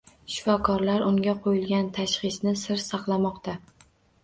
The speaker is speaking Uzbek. Shifokorlar unga qo‘yilgan tashxisni sir saqlamoqda